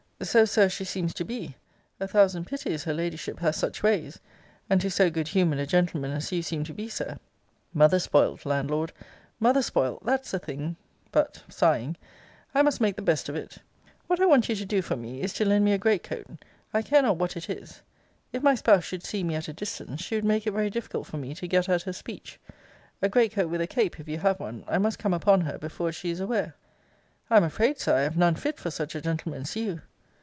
So, Sir, she seems to be. A thousand pities her ladyship has such ways and to so good humoured a gentleman as you seem to be, Sir. Mother spoilt, Landlord! Mother spoilt! that's the thing! But I must make the best of it. What I want you to do for me is to lend me a great coat. I care not what it is. If my spouse should see me at a distance, she would make it very difficult for me to get at her speech. A great coat with a cape, if you have one. I must come upon her before she is aware. I am afraid, Sir, I have none fit for such a gentleman as you.